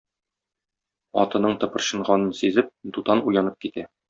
Атының тыпырчынганын сизеп, Дутан уянып китә.